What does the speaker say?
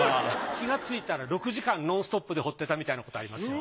気がついたら６時間ノンストップで彫ってたみたいなことありますよ。